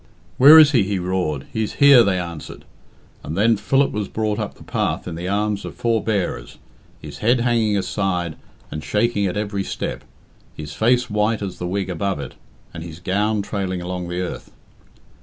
"Where is he?" he roared. "He's here," they answered. And then Philip was brought up the path in the arms of four bearers, his head hanging aside and shaking at every step, his face white as the wig above it, and his gown trailing along the earth.